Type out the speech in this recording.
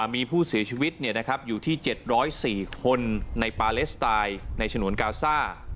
มีผู้เสียชีวิตเนี่ยนะครับอยู่ที่๗๐๔คนในปาเลสไตล์ในฉนวนกาซ่า